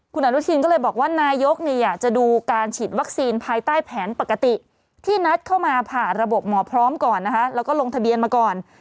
คุณอนุทินก็เลยบอกว่านายกเนี่ยอยากจะดูการฉีดวัคซีนภายใต้แผนปกติที่นัดเข้ามาผ่านระบบหมอพร้อมก่อนนะคะแล้วก็ลงทะเบียนมาก่อน